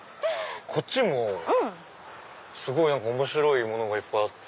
こっちもすごい面白いものがいっぱいあって。